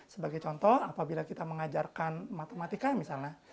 sebagai contoh apabila kita mengajarkan matematika misalnya